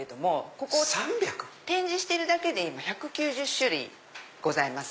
ここ展示してるだけで今１９０種類ございます。